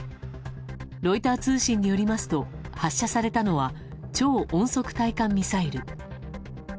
ロイター通信によりますと発射されたのは超音速対艦ミサイル。